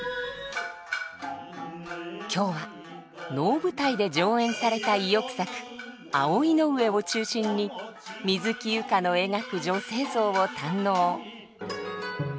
今日は能舞台で上演された意欲作「葵の上」を中心に水木佑歌の描く女性像を堪能。